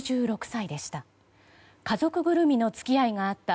６６歳でした。